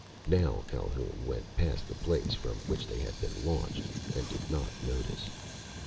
Now Calhoun went past the place from which they had been launched, and did not notice.